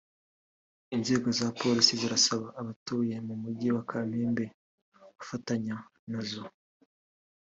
Inzego za polisi zirasaba abatuye mu mujyi wa Kamembe gufatanya nazo